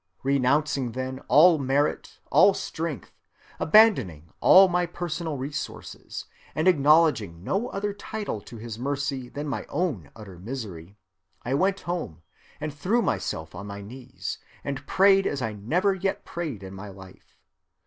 Renouncing then all merit, all strength, abandoning all my personal resources, and acknowledging no other title to his mercy than my own utter misery, I went home and threw myself on my knees, and prayed as I never yet prayed in my life.